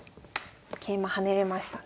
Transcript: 桂馬跳ねれましたね。